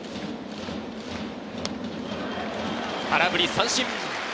空振り三振。